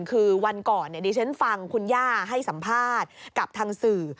คือวันก่อนดิฉันฟังคุณย่าให้สัมภาษณ์กับทางสื่อ